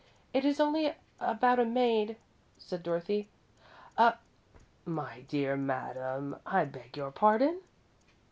"It is only about a maid," said Dorothy. "A my dear madam, I beg your pardon?"